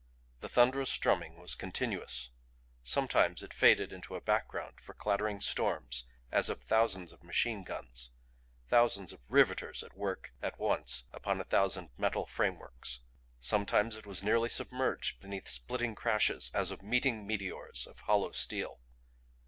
The thunderous drumming was continuous; sometimes it faded into a background for clattering storms as of thousands of machine guns, thousands of riveters at work at once upon a thousand metal frameworks; sometimes it was nearly submerged beneath splitting crashes as of meeting meteors of hollow steel.